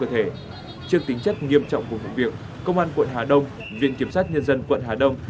trước tính chất nghiêm trọng của vụ việc công an quận hà đông viện kiểm sát nhân dân quận hà đông